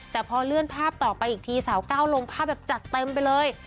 แต่พอเลื่อนภาพต่อไปอีกทีสาวก้าวลงภาพแบบจัดเต็มไปเลย